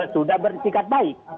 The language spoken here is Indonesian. sudah bersikat baik